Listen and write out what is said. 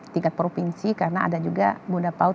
tingkat provinsi karena ada juga bunda paut